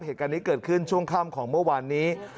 เหตุการณ์นี้เกิดขึ้นช่วงค่ำของเมื่อวานนี้